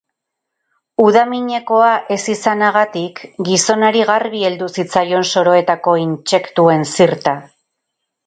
Udaminekoa ez izanagatik, gizonari garbi heldu zitzaion soroetako intsektuen zirta.